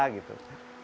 kemudian saya berpesan